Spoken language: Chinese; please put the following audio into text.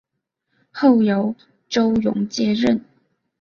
后由周荣接任。